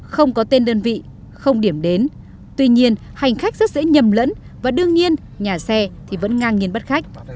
không có tên đơn vị không điểm đến tuy nhiên hành khách rất dễ nhầm lẫn và đương nhiên nhà xe thì vẫn ngang nhiên bắt khách